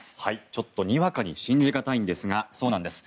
ちょっとにわかに信じがたいんですがそうなんです。